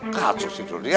kak susi dodi ya